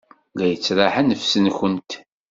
La yettraḥ nnefs-nwent.